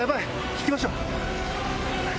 引きましょう。